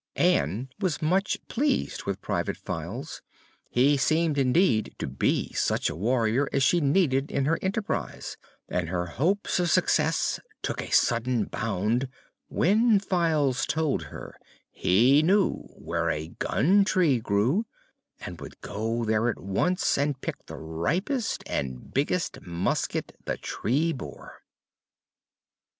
Ann was much pleased with Private Files. He seemed indeed to be such a warrior as she needed in her enterprise, and her hopes of success took a sudden bound when Files told her he knew where a gun tree grew and would go there at once and pick the ripest and biggest musket the tree bore.